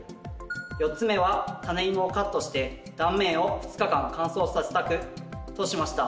４つ目はタネイモをカットして断面を２日間乾燥させた区としました。